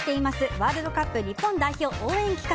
ワールドカップ日本代表応援企画